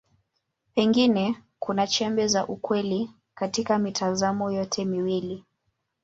Pengine kuna chembe za ukweli katika mitazamo yote miwili.